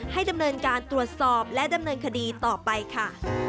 ดำเนินการตรวจสอบและดำเนินคดีต่อไปค่ะ